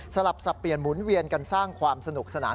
สลับสับเปลี่ยนหมุนเวียนกันสร้างความสนุกสนาน